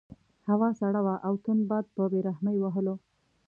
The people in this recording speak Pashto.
هوا سړه وه او تند باد په بې رحمۍ وهلو.